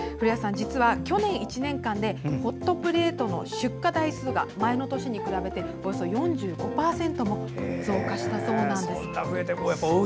去年１年間でホットプレートの出荷台数が前の年に比べておよそ４５％も増加したそうです。